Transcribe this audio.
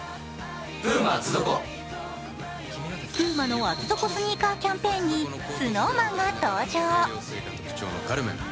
ＰＵＭＡの厚底スニーカーキャンペーンにＳｎｏｗＭａｎが登場。